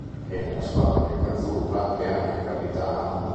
E nella squadra biancoazzurra è anche capitano.